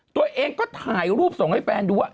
ตัวเองก็ถ่ายรูปส่งให้แฟนดูว่า